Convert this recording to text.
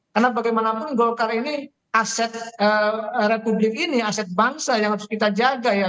karena bagaimanapun golkar ini aset republik ini aset bangsa yang harus kita jaga ya